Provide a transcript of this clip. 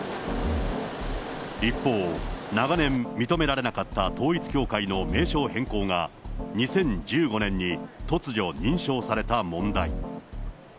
一方、長年、認められなかった統一教会の名称変更が、２０１５年に突如、認証された問題。